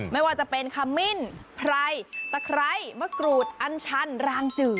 ไม่ว่าจะเป็นขมิ้นไพรตะไคร้มะกรูดอันชันรางจืด